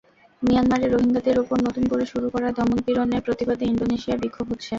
মিয়ানমারে রোহিঙ্গাদের ওপর নতুন করে শুরু করা দমনপীড়নের প্রতিবাদে ইন্দোনেশিয়ায় বিক্ষোভ হচ্ছে।